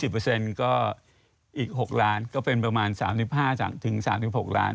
เปอร์เซ็นต์ก็อีก๖ล้านก็เป็นประมาณ๓๕๓๖ล้าน